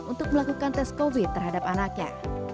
untuk melakukan tes covid sembilan belas terhadap anaknya